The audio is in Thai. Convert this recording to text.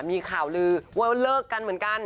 มีข่าวลือว่าเลิกกันเหมือนกัน